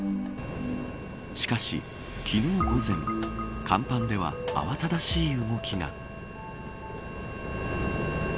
しかし、昨日午前甲板では慌ただしい動きが。